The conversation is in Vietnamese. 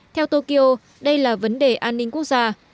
theo tokyo đây là vấn đề an ninh quốc gia